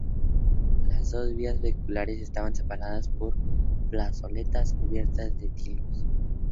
Las dos vías vehiculares están separadas por plazoletas cubiertas de tilos.